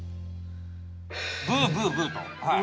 ◆ブーブーブーと。